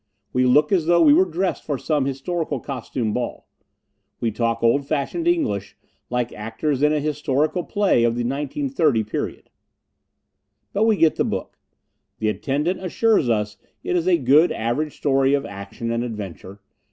We look as though we were dressed for some historical costume ball. We talk old fashioned English, like actors in an historical play of the 1930 period. But we get the book. The attendant assures us it is a good average story of action and adventure.